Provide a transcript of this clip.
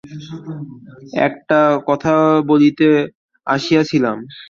একটা কথা বলিতে আসিয়াছিলাম।